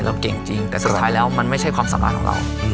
เก่งจริงแต่สุดท้ายแล้วมันไม่ใช่ความสามารถของเรา